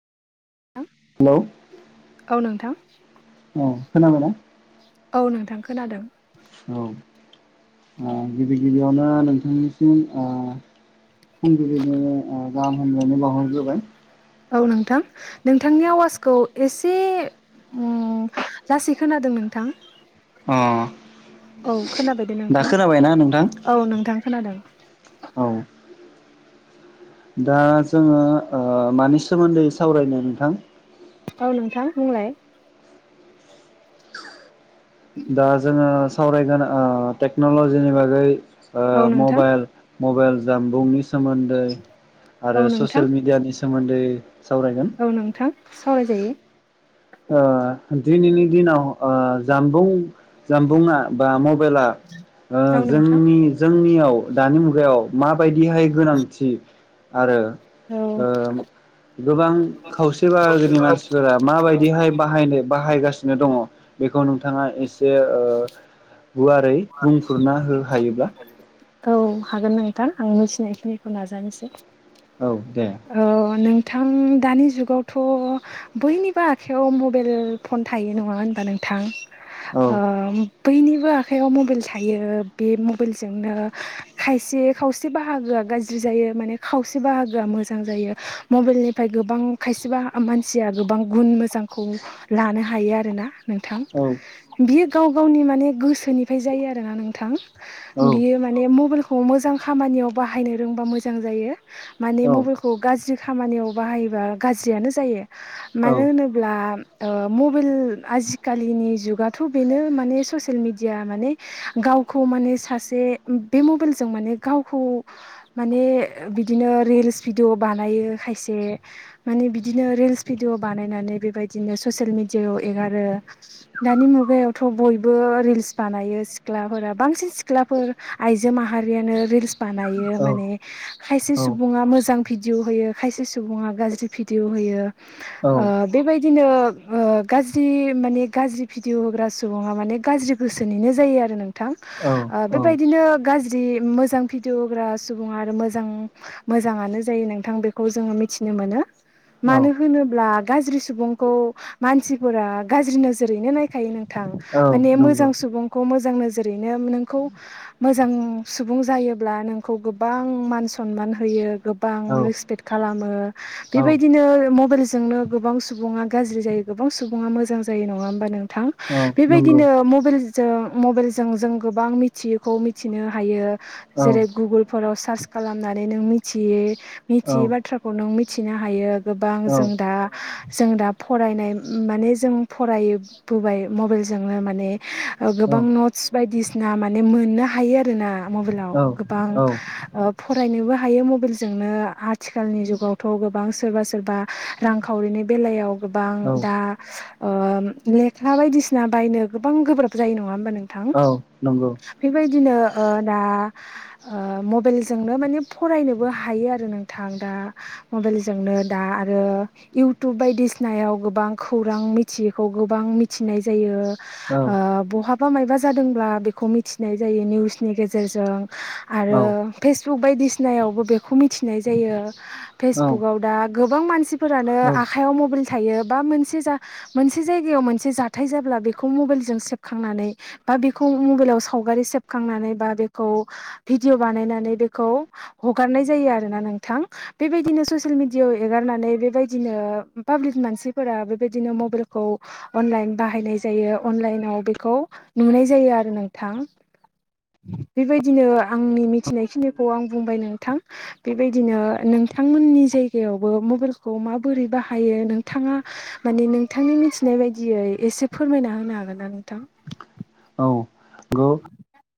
Hello औ नोंथां औ खोनाबाय ना थां खोनादों औ ओ गिबि गिबियावनो नोंथांनिसिम ओ फुंबिलिनो गाहाम हामबलायनाय बावहरग्रोबाय औ नोंथां नोंथांनि आवाजखौ एसे ओम लासै खोनादों नोंथां अ औ खोनाबाय दे दा नोंथां खोनाबायना नोंथां औ नोंथां खोनादों औ दा जोङो ओ मानि सोमोन्दै सावरायनो नोंथां औ नोंथां बुंलाय दा जोङो सावरायगोन ओ टेक्नलजिनि बागै ओ औ नोंथां मबाइल मबाइल जानबुंनि सोमोन्दै आरो औ नोंथां ससियेल मिडियानि सोमोन्दै सावरायगोन औ नोंथां सावरायजायो ओ दिनैनि दिनाव ओ जानबुं जानबुंङा बा मबे मबाइला ओ औ नोंथां जोंनि जोंनियाव दानि मुगायाव माबायदिहाय गोनांथि आरो औ ओ गोबां खावसे बाहागोनि मानसिफोरा माबायदि दिहाय बाहायनो बाहायगासिनो दङ बेखौ नोंथाङा एसे ओ गुवारै बुंफुरना हो हायोब्ला औ हागोन नोंथां आं मिथिनायखिनिखौ नाजानोसै औ दे औ नों नोंथां दानि जुगावथ' बयनिबो आखाइयाव मबेल फन थायो नङा होनबा नोंथां औ अ बैनिबा खायाव मबाइल थायो बे मबाइलजोंनो खायसे खावसे बाहागोआ गाज्रि जायो। माने खावसे बाहागोआ मोजां जायो मबेलनिफ्राय गोबां खायसे मानसिया गोबां गुन मो जांखौ लानो हायो आरोना नोंथां औ बियो गाव गावनि माने गोसो निफ्राय जायो आरोना नोंथां औ बियो माने मबाइल खौ मोजां खामानियाव बाहायनो रोंबा मोजां जायो माने औ मबाइलखौ गाज्रि खामानियाव बाहायोबा गाज्रियानो जायो औ मानो होनोब्ला ओ मबाइल आजिखालिनि जुगाथ' बेनो माने ससेल मिड डिया माने गावखौ माने सासे बे मबाइलजों माने गावखौ माने बे बिदिनो रिल्स भिदिअ बानायो खायसे माने बिदिनो रिल्स भिदिअ बानाय नानै बेबायदिनो ससेल मिडियाव एगारो दानि मुगायावथ' बयबो रिल्स बानायो सिख्लाफोरा बांसिन सिख्लाफोर आइजो माहारियानो रिल्स बानायो औ माने खायसे सुबुंआ मोजां भिदिअ होयो खायसे सुबुंआ गाज्रि भिडअ होयो ओ औ बेबाय दिनो ओ गाज्रि मानि गाज्रि भिडअ होग्रा सुबुंआ माने गाज्रि गोसोनिनो जायो आरो नोंथां ओ औ बेबायदिनो गाज्रि जि मोजां भिडिअ होग्रा सुबुंआ आरो मोजां मोजाङानो जायो नोंथां बेखौ जोङो मिथिनो मोनो औ मानो होनोब्ला गाज्रि सुबुंखौ मानसिफोरा गाज्रि नोजोरैनो नायखायो नोंथां औ माने नंगौ मोजां खौ मोजां नोजोरैनो नोंखौ मोजां सुबुं जायोब्ला नोंखौ गोबां मानसि सन्मान होयो गोबां औ रेसपेक्ट खालामो औ बेबायदिनो मबेल जोंनो गोबां सुबुङा गाज्रि जायो गोबां सुबुङा मोजां जायो नङा होमबा नों थां औ नंगौ बेबायदिनो मबाइल जों मबाइलजों जों गोबां मिथियैखौ मिथिनो हायो औ जेरै- गुगोलफोराव सार्च खालामनानै नों मिथियै औ मिथियै बाथ्राखौ नों मिथिनो हायो। गोबां औ जों दा जों दा फरायनाय माने जों फरायबोबाय मबाइलजोंनो माने गोबां नटस बायदिसिना माने मोननो हायो आरोना मबाइलाव औ गोबां औ ओप फरायनोबो हायो मबाइलजोंनो आथिखालनि जुगावथ' गोबां सोरबा सोरबा रांखावरिनि बेलायाव गोबां औ दा ओ लेखा बायदिसिना बायनो गोबां गोब्राब जायो नङा होमबा नों थां औ नंगौ बेबायदिनो ओ दा ओ मबाइलजोंनो माने फरायनोबो हायो आरो नोंथां दा मबाइलजोंनो दा आरो इउटुब बायदिसिनायाव गोबां खौरां मिथियैखौ गोबां मिथिनाय जायो। औ ओ बहाबा मायबा जादोंब्ला बेखौ मिथिनाय जायो निउसनि गेजेरजों औ आरो फेसबुक बायदिसिनायावबो बेखौ मिथिनाय जायो औ फेसबुकाव दा गोबां मानसिफोरानो आखाइयाव मबाइल थायो बा मोनसे जा मोनसे जायगायाव मोनसे जाथाय जाब्ला बेखौ मबाइलजों सेफ खांनानै बा बेखौ मबाइलाव सावगारि सेबखांनानै बा बेखौ भिदिअ बानायनानै बेखौ हगारनाय जायो आरोना नोंथां बेबायदिनो ससिल मिडियायाव एगारनानै बेबायदिनो ओ पाब्लिक मानसिफोरा बेबायदिनो मबाइलखौ अनलाइन बाहायनाय जायो अनलाइनाव बे खौ नुनाय जायो आरो नोंथां बेबायदिनो आंनि मिथिनायखिनिखौ आं बुंबाय नोंथां बेबायदिनो नों थांमोननि जायगायावबो मबाइलखौ माबोरै बाहायो नोंथाङा माने नोंथांनि मिथि नाय बायदियै एसे फोरमायना होनो हागोन ना नोंथां? औ गौ।